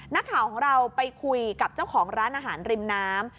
นักข่าวของเราไปคุยกับเจ้าของร้านอาหารริมน้ำ